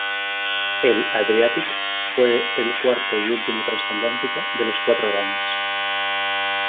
El "Adriatic" fue el cuarto y último transatlántico de los "Cuatro Grandes".